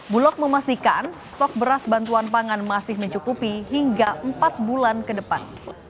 bulog memastikan stok beras bantuan pangan masih mencukupi hingga empat bulan ke depan